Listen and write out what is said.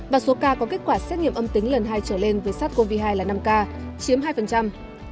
và số ca có kết quả xét nghiệm âm tính lần hai trở lên với sars cov hai là năm ca chiếm hai